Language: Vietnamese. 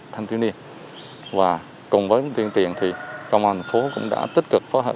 thanh thiếu niên và cùng với tuyên tiền thì công an thành phố cũng đã tích cực phối hợp